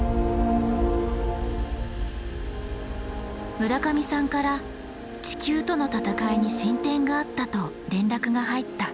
村上さんから地球とのたたかいに進展があったと連絡が入った。